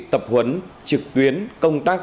tập huấn trực tuyến công tác